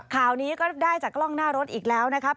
ข่าวนี้ก็ได้จากกล้องหน้ารถอีกแล้วนะครับ